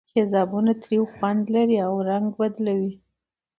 تیزابونه تریو خوند لري او رنګ بدلوي.